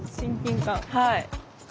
はい。